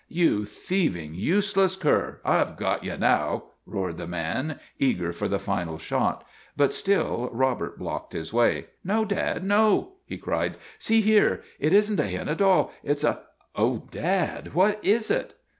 " You thieving, useless cur, I Ve got you now !' 124 ISHMAEL roared the man, eager for the final shot; but still Robert blocked his way. " No, Dad, no !" he cried. " See here ! It is n't a hen at all. It's a oh, Dad, what is it?